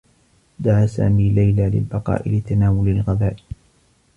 دعى سامي ليلى للبقاء لتناول الغذاء.